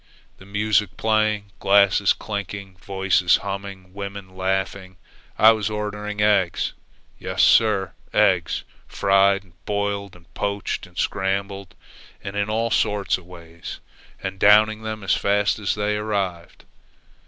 "The music playing, glasses clinking, voices humming, women laughing, and I was ordering eggs yes, sir, eggs, fried and boiled and poached and scrambled, and in all sorts of ways, and downing them as fast as they arrived."